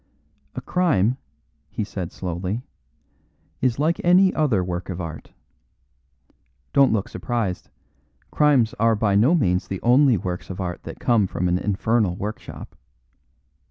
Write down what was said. "A crime," he said slowly, "is like any other work of art. Don't look surprised; crimes are by no means the only works of art that come from an infernal workshop.